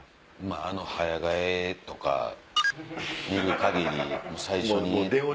あの早替えとか見る限り最初にバン！